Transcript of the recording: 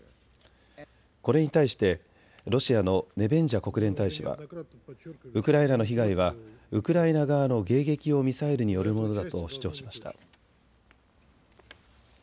これに対してロシアのネベンジャ国連大使はウクライナの被害はウクライナ側の迎撃用ミサイルによるものだと主張しました。